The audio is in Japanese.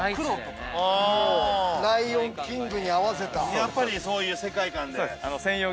やっぱりそういう世界観で？